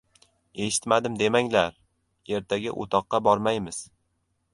— Eshitmadim demanglar, ertaga o‘toqqa bormaymiz!